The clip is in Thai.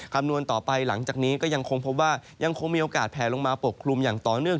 คำนวณต่อไปหลังจากนี้ก็ยังคงพบว่ายังคงมีโอกาสแผลลงมาปกคลุมอย่างต่อเนื่อง